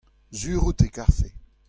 sur out e karfe.